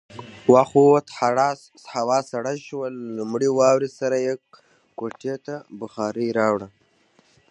وخت ووت، هوا سړه شوه، له لومړۍ واورې سره يې کوټې ته بخارۍ راوړه.